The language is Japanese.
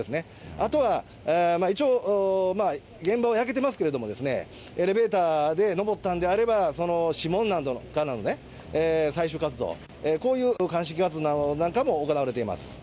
あとは一応、現場は焼けてますけれども、エレベーターで昇ったんであれば、その指紋などの採取活動、こういう鑑識活動なんかも行われています。